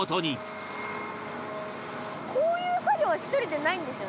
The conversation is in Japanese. こういう作業は１人じゃないんですよね？